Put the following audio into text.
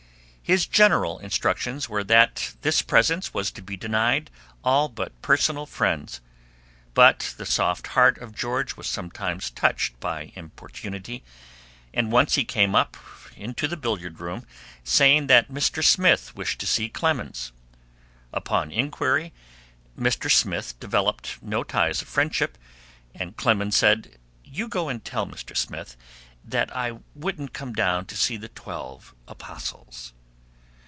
His general instructions were that this presence was to be denied all but personal friends, but the soft heart of George was sometimes touched by importunity, and once he came up into the billiard room saying that Mr. Smith wished to see Clemens. Upon inquiry, Mr. Smith developed no ties of friendship, and Clemens said, "You go and tell Mr. Smith that I wouldn't come down to see the Twelve Apostles."